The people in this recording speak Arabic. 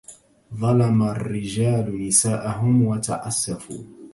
ظلم الرجال نساءهم وتعسفوا